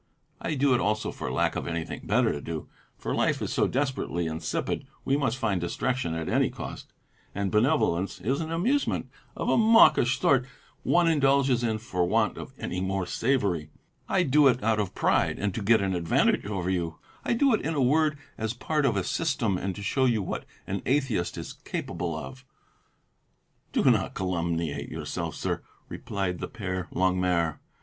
I do it also for lack of anything better to do; for life is so desperately insipid we must find distraction at any cost, and benevolence is an amusement, of a mawkish sort, one indulges in for want of any more savoury; I do it out of pride and to get an advantage over you; I do it, in a word, as part of a system and to show you what an atheist is capable of." "Do not calumniate yourself, sir," replied the Père Longuemare.